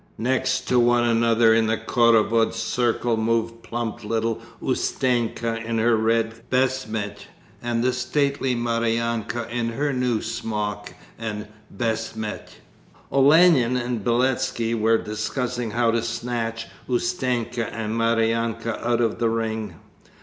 Next to one another in the khorovod circle moved plump little Ustenka in her red beshmet and the stately Maryanka in her new smock and beshmet. Olenin and Beletski were discussing how to snatch Ustenka and Maryanka out of the ring.